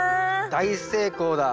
大成功だ。